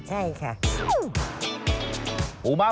แม่เล็กครับ